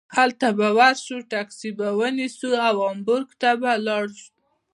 هلته به ور شو ټکسي به ونیسو او هامبورګ ته به لاړو.